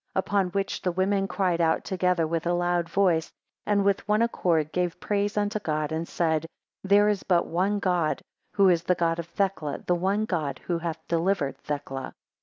22 Upon which the women cried out together with a loud voice, and with one accord gave praise unto God, and said; There is but one God, who is the God of Thecla; the one God who hath delivered Thecla.